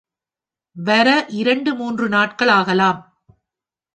வர இரண்டு மூன்று நாட்கள் ஆகலாம்.